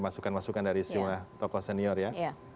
masukan masukan dari sejumlah tokoh senior ya